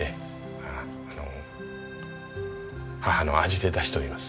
母の味で出しております。